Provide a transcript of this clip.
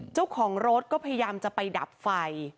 เจ้าของรถก็พยายามจะไปดับไฟ